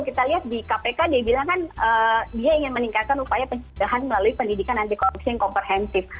kita lihat di kpk dia bilang kan dia ingin meningkatkan upaya pencegahan melalui pendidikan anti korupsi yang komprehensif